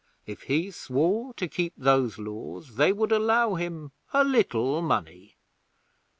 If he swore to keep those Laws, they would allow him a little money.